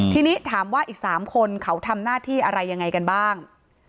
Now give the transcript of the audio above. ทีนี้ถามว่าอีก๓คนเขาทำหน้าที่อะไรยังไงกันบ้าง